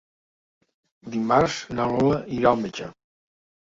Dimarts na Lola irà al metge.